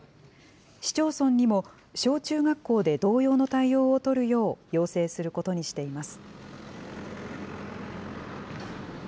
市町村にも小中学校で同様の対応を取るよう要請することにしています。